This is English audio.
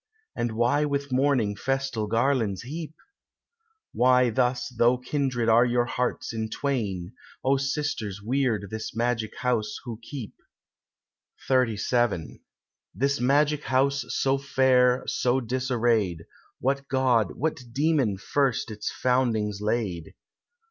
And why with mourning festal garlands heap? Why thus, though kindred, are your hearts in twain! O Sisters weird this magic house who keep? XXXVII "This magic house, so fair, so disarrayed, What god, what demon first its foundings laid?